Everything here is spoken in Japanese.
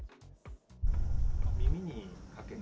耳にかけて。